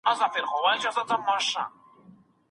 که ډاکټره وغواړي، اوږده پاڼه به ړنګه کړي.